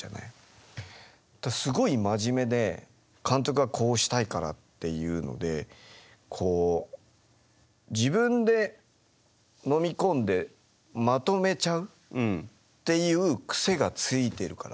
すごい真面目で監督がこうしたいからっていうのでこう自分でのみ込んでまとめちゃうっていう癖がついているから。